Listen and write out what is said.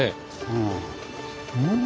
うん？